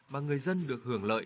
mà người dân được hưởng lợi